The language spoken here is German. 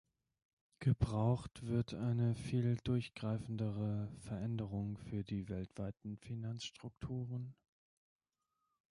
Gebraucht wird eine viel durchgreifendere Veränderung für die weltweiten Finanzstrukturen.